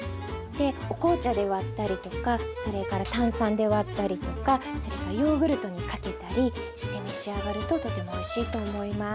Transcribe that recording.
お紅茶で割ったりとかそれから炭酸で割ったりとかそれからヨーグルトにかけたりして召し上がるととてもおいしいと思います。